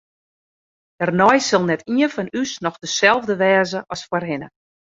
Dêrnei sil net ien fan ús noch deselde wêze as foarhinne.